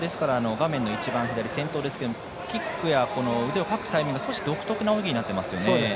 先頭ですがキックや腕をかくタイミング少し独特な泳ぎになってますよね。